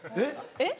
えっ。